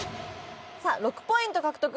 さあ６ポイント獲得！